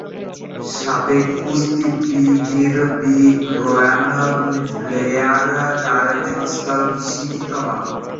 সাবেক কুস্তিগীর B. Brian Blair তার স্থলাভিষিক্ত হন।